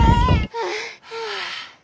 はあ。